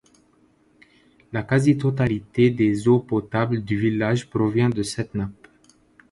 La quasi-totalité des eaux potables du village provient de cette nappe.